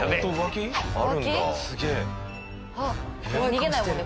逃げないもんね